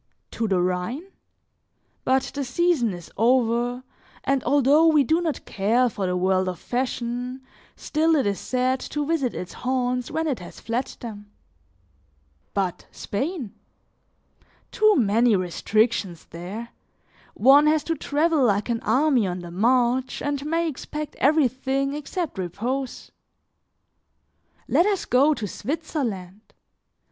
To the Rhine? But the season is over, and although we do not care for the world of fashion, still it is sad to visit its haunts when it has fled them. But Spain? Too many restrictions there; one has to travel like an army on the march and may expect everything except repose. Let us go to Switzerland!